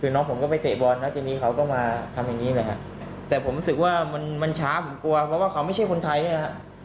คือน้องผมก็ไปเตะบอลแล้วทีนี้เขาก็มาทำอย่างนี้นะครับแต่ผมรู้สึกว่ามันมันช้าผมกลัวเพราะว่าเขาไม่ใช่คนไทยนี่แหละฮะ